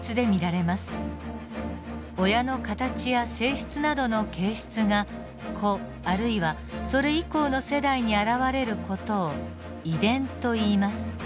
親の形や性質などの形質が子あるいはそれ以降の世代に現れる事を遺伝といいます。